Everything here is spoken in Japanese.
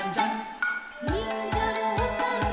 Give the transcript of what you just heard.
「にんじゃのおさんぽ」